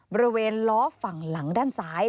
บริเวณล้อฝั่งหลังด้านซ้าย